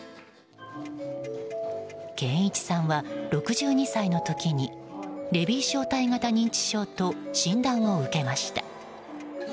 謙一さんは６２歳の時にレビー小体型認知症と診断を受けました。